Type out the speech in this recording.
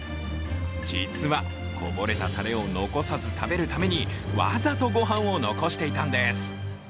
実は、こぼれたたれを残さず食べるためにわざとごはんを残していたんです。